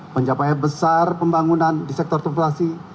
mencapai besar pembangunan di sektor populasi